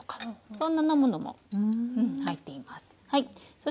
そんなものも入っています。